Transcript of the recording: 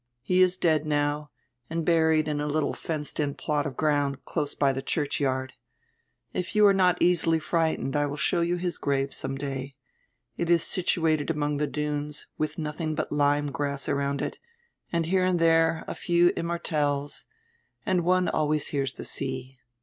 He is dead now and buried in a littie fenced in plot of ground close by die churchyard. If you are not easily frightened I will show you his grave some day. It is situated among die dunes, widi nothing but lyme grass around it, and here and diere a few immortelles, and one always hears the sea.